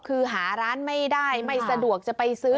คือหาร้านไม่ได้ไม่สะดวกจะไปซื้อ